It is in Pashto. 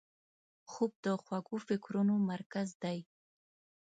خوب د خوږو فکرونو مرکز دی